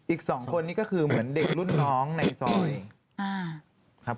อีก๒คนนี้ก็คือเหมือนเด็กรุ่นน้องในซอยครับ